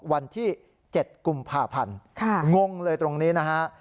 วันที่๗กุมภาพันธ์งงเลยตรงนี้นะฮะ